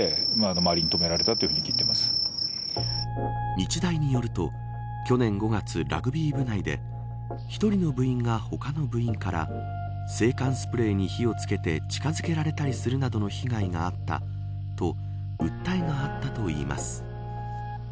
日大によると、去年５月ラグビー部内で１人の部員が他の部員から制汗スプレーに火を付けて近づけられたりするなどの被害があったと、訴えがあったといいます。